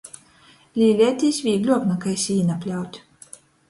Līleitīs vīgļuok nakai sīna pļaut.